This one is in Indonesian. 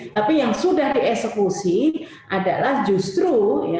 tapi yang sudah dieksekusi adalah justru